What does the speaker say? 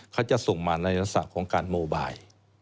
เขาจะส่งมารายละเอียดศักดิ์ของการโมไบล์